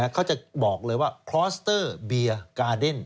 เขาจะบอกเลยว่าคลอสเตอร์เบียร์กาเดน